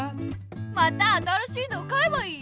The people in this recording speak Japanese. また新しいのを買えばいい！